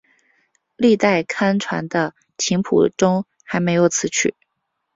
历代刊传的琴谱中还没有此曲。